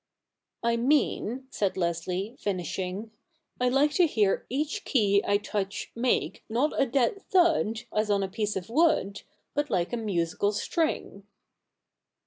' I mean,' said Leslie finishing, ' I like to hear each key I touch make, not a dead thud, as on a piece of wood, but strike a musical string.'